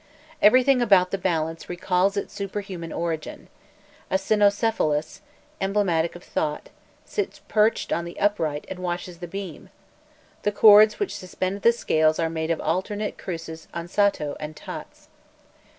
Everything about the balance recalls its superhuman origin: a cynocephalus, emblematic of Thot, sits perched on the upright and watches the beam; the cords which suspend the scales are made of alternate cruces ansato and tats.